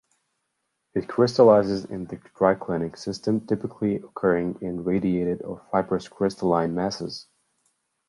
It crystallizes in the triclinic system typically occurring in radiated or fibrous crystalline masses.